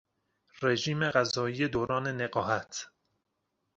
رژیم غذایی دوران نقاهت